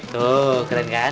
tuh keren kan